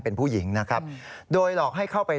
เป็นผู้หญิงนะครับโดยหลอกให้เข้าไป